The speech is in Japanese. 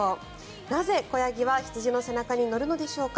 なぜ子ヤギは羊の背中に乗るのでしょうか。